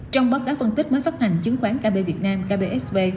trong bất đáp phân tích mới phát hành chứng khoán kb việt nam kbsv